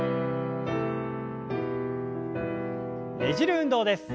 ねじる運動です。